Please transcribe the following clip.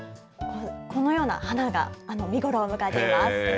このような花が見頃を迎えています。